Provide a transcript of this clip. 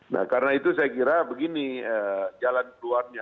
nah karena itu saya kira begini jalan keluarnya